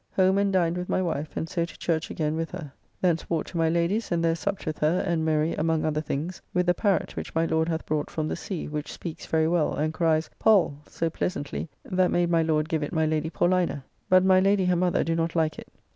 Home and dined with my wife, and so to church again with her. Thence walked to my Lady's, and there supped with her, and merry, among other things, with the parrott which my Lord hath brought from the sea, which speaks very well, and cries Pall so pleasantly, that made my Lord give it my Lady Paulina; but my Lady, her mother, do not like it.